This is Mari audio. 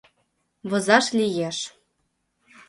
Возаш лиеш.